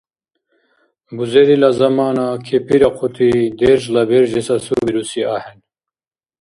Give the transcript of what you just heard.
Бузерила замана кепирахъути держла бужес асубируси ахӏен.